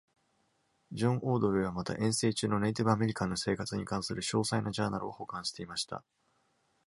ジョンオードウェイはまた、遠征中のネイティブアメリカンの生活に関する詳細なジャーナルを保管していました。